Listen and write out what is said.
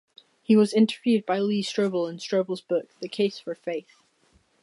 He was interviewed by Lee Strobel in Strobel's book "The Case for Faith".